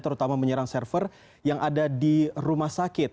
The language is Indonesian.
terutama menyerang server yang ada di rumah sakit